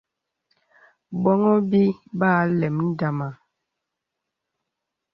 Bòŋhô bī ba àləm ndama.